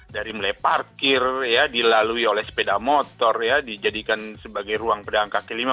dari mulai parkir dilalui oleh sepeda motor dijadikan sebagai ruang pedang kaki lima